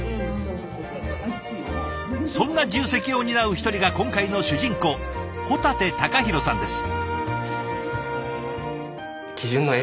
そんな重責を担う一人が今回の主人公保立貴博さんです。